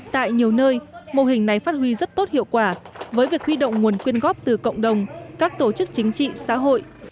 tại nhiều nơi mô hình này phát huy rất tốt hiệu quả với việc huy động nguồn quyên góp từ cộng đồng các tổ chức chính trị xã hội